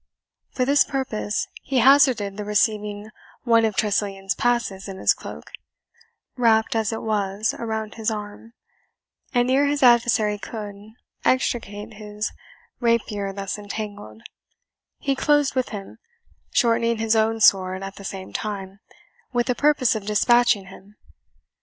For this purpose, he hazarded the receiving one of Tressilian's passes in his cloak, wrapped as it was around his arm, and ere his adversary could, extricate his rapier thus entangled, he closed with him, shortening his own sword at the same time, with the purpose of dispatching him.